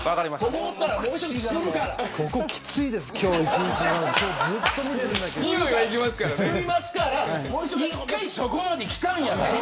僕もきついです、今日一日１回そこまで来たんやから。